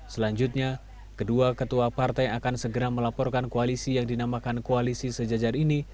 selanjutnya kedua ketua partai akan segera melaporkan koalisi yang dinamakan koalisi sejajar ini